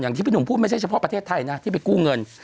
ที่พี่หนุ่มพูดไม่ใช่เฉพาะประเทศไทยนะที่ไปกู้เงิน